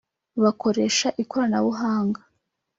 bakoresha ikoranabuhanga